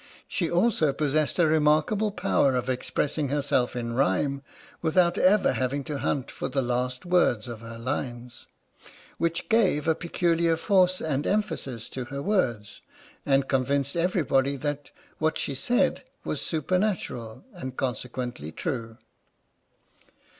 She also possessed a remarkable power of expressing herself in rhyme without ever having to hunt for the last words of her lines, which gave a peculiar force and emphasis to her words, and convinced everybody that what she said was supernatural, and conse quently true.